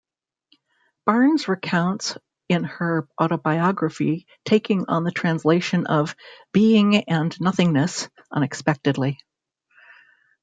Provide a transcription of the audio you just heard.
Barnes recounts in her autobiography taking on the translation of "Being and Nothingness" unexpectedly.